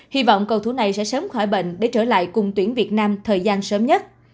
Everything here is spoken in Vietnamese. hy vọng cầu thủ này sẽ sớm khỏi bệnh để trở lại cùng tuyển việt nam thời gian sớm nhất